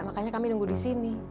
makanya kami nunggu disini